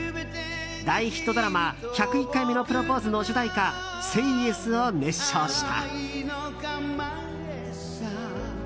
大ヒットドラマ「１０１回目のプロポーズ」の主題歌「ＳＡＹＹＥＳ」を熱唱した。